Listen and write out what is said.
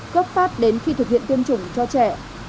cấp phát đến khi thực hiện tiêm chủng cho trẻ